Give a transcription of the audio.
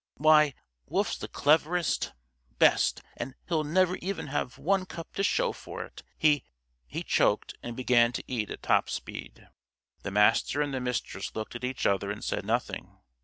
Why, Wolf's the cleverest best and he'll never even have one cup to show for it. He " He choked, and began to eat at top speed. The Master and the Mistress looked at each other and said nothing.